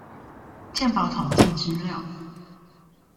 健保統計資料